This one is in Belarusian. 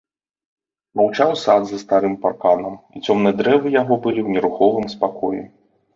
Маўчаў сад за старым парканам, і цёмныя дрэвы яго былі ў нерухомым спакоі.